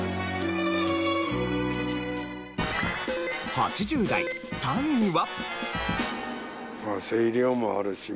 ８０代３位は。